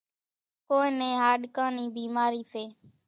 ڪونئين نين هاڏڪان نِي ڀيمارِي سي۔